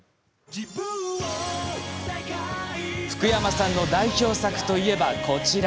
福山さんの代表作といえばこちら。